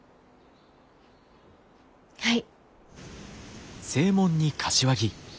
はい。